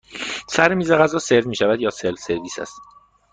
سر میز غذا سرو می شود یا سلف سرویس هست؟